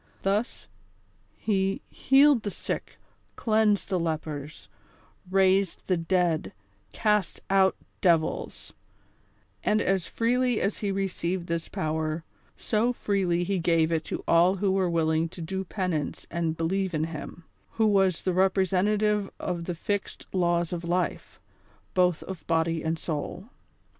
Thus, he healed the sick, cleansed the lepers, raised the dead, cast out devils ; and as freely as he received this power, so freely he gave it to all who were willing to do penance and believe in him, who was the representative of the fixed Laws of Life, both of body and soul.